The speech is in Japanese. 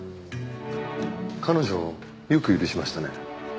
彼女よく許しましたね。